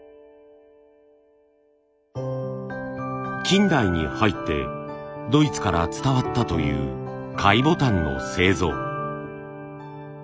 近代に入ってドイツから伝わったという貝ボタンの製造。